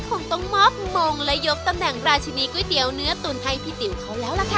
คงต้องมอบมงและยกตำแหน่งราชินีก๋วยเตี๋ยวเนื้อตุ๋นให้พี่ติ๋วเขาแล้วล่ะค่ะ